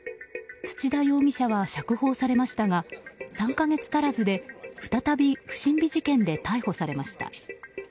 土田容疑者は釈放されましたが３か月足らずで再び不審火事件で逮捕されました。